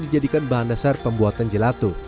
dijadikan bahan dasar pembuatan gelato